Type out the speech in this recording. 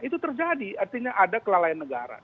itu terjadi artinya ada kelalaian negara